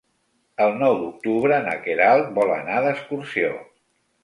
El nou d'octubre na Queralt vol anar d'excursió.